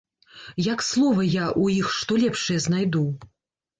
Як слова я ў іх што лепшае знайду?